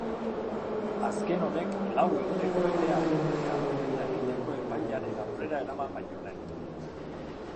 Azken honek lau eguneko epea du galdeketa egiteko epailearen aurrera eraman baino lehen.